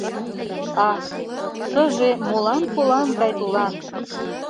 Ах, шыже молан Полан гай тулан?